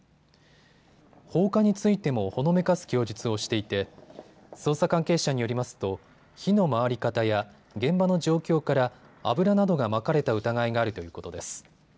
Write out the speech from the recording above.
放火についてもほのめかす供述をしていて捜査関係者によりますと火の回り方や現場の状況から油などがまかれた疑いがあるということです。